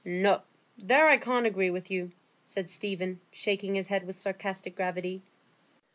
"No; there I can't agree with you," said Stephen, shaking his head with sarcastic gravity.